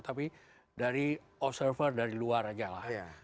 tapi dari observer dari luar aja lah